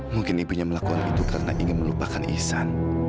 mungkin ibunya melakukan itu karena ingin melupakan ihsan